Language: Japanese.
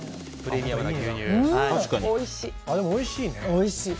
おいしい。